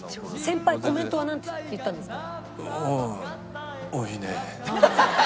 先輩コメントはなんて言ったんですか？